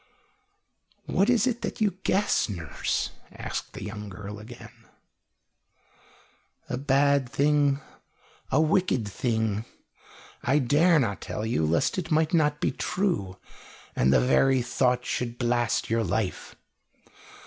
"What is it that you guess, nurse?" asked the young girl again. "A bad thing a wicked thing. But I dare not tell you, lest it might not be true, and the very thought should blast your life.